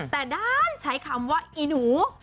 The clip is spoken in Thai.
แต่ด้านใช้คำว่าอีหนู